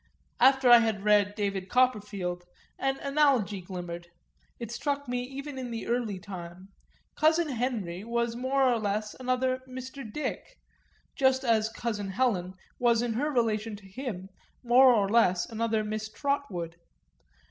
After I had read David Copperfield an analogy glimmered it struck me even in the early time: cousin Henry was more or less another Mr. Dick, just as cousin Helen was in her relation to him more or less another Miss Trotwood.